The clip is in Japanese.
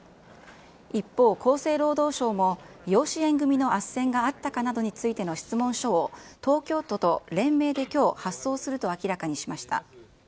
一方、厚生労働省も養子縁組みのあっせんがあったかなどについての質問書を、東京都と連名できょう、発送すると明らかにしました。